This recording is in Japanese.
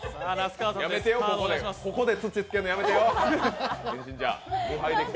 やめて、ここで土つけるの、やめてよ。